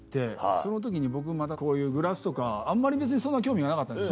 その時に僕まだこういうグラスとかあんまり別にそんな興味がなかったんです。